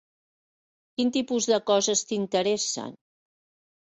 Quin tipus de coses t'interessen?